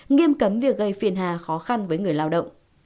nghiêm cấm việc gây phiền hà khó khăn với người lao động